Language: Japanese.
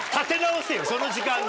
その時間で！